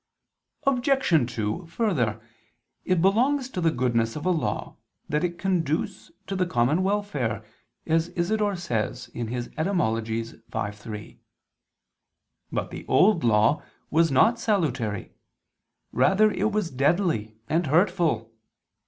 Obj. 2: Further, it belongs to the goodness of a law that it conduce to the common welfare, as Isidore says (Etym. v, 3). But the Old Law was not salutary; rather was it deadly and hurtful.